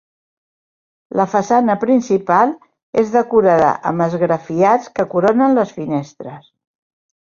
La façana principal és decorada amb esgrafiats que coronen les finestres.